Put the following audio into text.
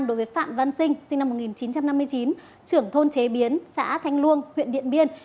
đối với phạm văn sinh sinh năm một nghìn chín trăm năm mươi chín trưởng thôn chế biến xã thanh luông huyện điện biên